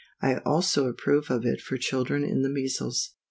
I also approve of it for children in the measles.